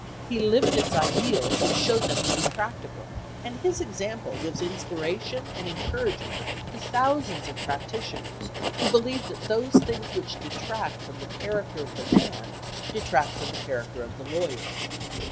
He lived its ideals and showed them to be practical, and his example gives inspiration and encouragement to thousands of practitioners who believe that those things which detract from the character of the man detract from the character of the lawyer.